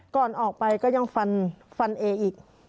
ก่อนออกไปก็ยังฟันฟันเออีก